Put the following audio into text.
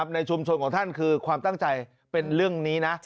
ในชุมชนของท่านคือความตั้งใจเป็นเรื่องนี้นะ